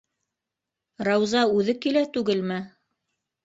Рауза үҙе килә түгелме?